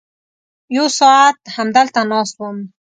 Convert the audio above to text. یو ساعت همدلته ناست وم.